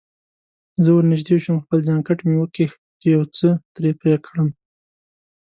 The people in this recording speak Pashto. زه ورنژدې شوم، خپل جانکټ مې وکیښ چې یو څه ترې پرې کړم.